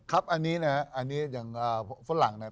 ครับอันนี้นะอันนี้อย่างฝรั่งเนี่ย